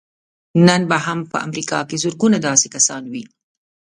نن به هم په امريکا کې زرګونه داسې کسان وي.